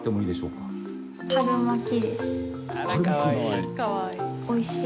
かわいい。